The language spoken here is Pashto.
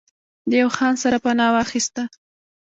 د يو خان سره پناه واخسته